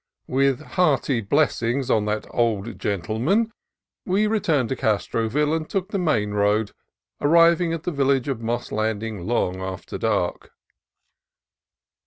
With hearty blessings on that old gentleman we returned to Castroville, and took the main road, arriving at the village of Moss Landing long after dark.